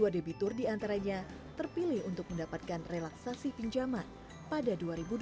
dua debitur diantaranya terpilih untuk mendapatkan relaksasi pinjaman pada dua ribu dua puluh